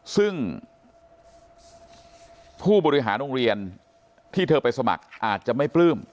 ซึ่งผู้บริหารโรงเรียนที่เธอไปสมัครอาจจะไม่ปลื้ม